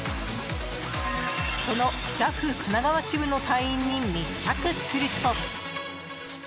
そのＪＡＦ神奈川支部の隊員に密着すると。